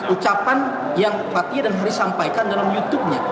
ucapan yang patia dan hari sampaikan dalam youtube nya